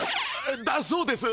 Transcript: だそうです！